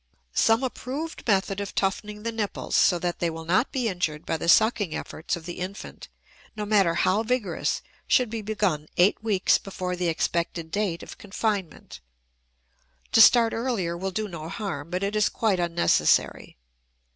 Some approved method of toughening the nipples so that they will not be injured by the sucking efforts of the infant, no matter how vigorous, should be begun eight weeks before the expected date of confinement; to start earlier will do no harm, but it is quite unnecessary.